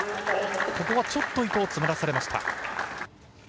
ここはちょっと伊藤、詰まらされました。